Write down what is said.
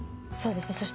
そうですね。